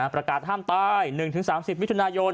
ประกาศห้ามตาย๑๓๐มิถุนายน